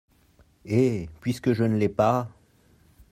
Et, puisque je ne l’ai pas…